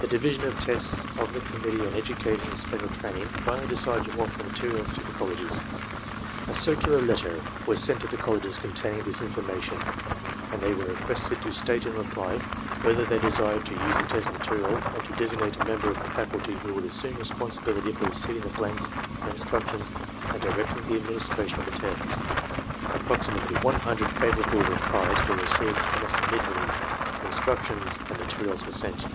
The Division of Tests of the Committee on Education and Special Training finally decided to offer the materials to the colleges. A circular letter was sent to the colleges containing this information and they were requested to state in reply whether they desired to use the test materials and to designate a member of the faculty who would assume responsibility for receiving the blanks and instructions and directing the admin istration of the tests. Approximately one hundred favorable replies were received almost immediately and instructions and materials were sent.